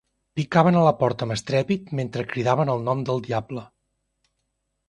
Picaven a la porta amb estrèpit mentre cridaven el nom del diable.